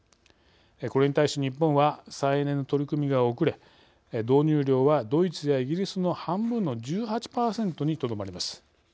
これに対し日本は再エネの取り組みが遅れ導入量はドイツやイギリスの半分の１８％にとどまります。